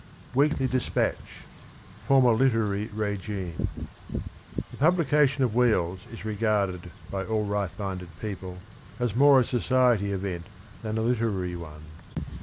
Weekly Dispatch (former literary' regime). —" The pub lication of ' Wheels ' is regarded by all right minded people as more a society event than a literary one."